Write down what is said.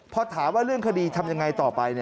พอถามว่าเรื่องคดีทำยังไงต่อไป